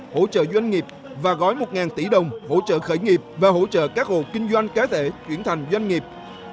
hỗ trợ doanh nghiệp và gói một ngàn tỷ đồng hỗ trợ khởi nghiệp và hỗ trợ các hồ kinh doanh cái thể chuyển thành doanh nghiệp